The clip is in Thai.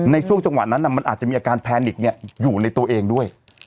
ในช่วงจังหวะนั้นมันอาจจะมีอาการแพนิกอยู่ในตัวเองด้วย